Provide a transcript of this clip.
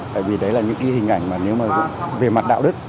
tại vì đấy là những cái hình ảnh mà nếu mà về mặt đạo đức